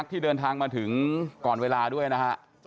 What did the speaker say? ที่เดินทางมาถึงก่อนเวลาด้วยนะฮะ